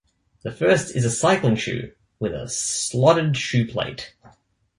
The first is a cycling shoe with a slotted shoeplate.